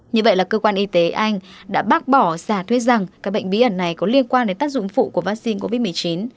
như vậy là cơ quan y tế anh đã bác bỏ giả thuyết rằng các bệnh bí ẩn này có liên quan đến tác dụng phụ của vaccine covid một mươi chín